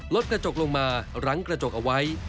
รถกระจกลงมารั้งกระจกเอาไว้